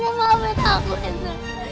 cuma mau mawin aku intan